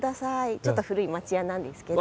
ちょっと古い町家なんですけど。